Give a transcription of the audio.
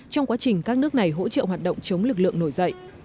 trong quá trình các nước này hỗ trợ hoạt động chống lực lượng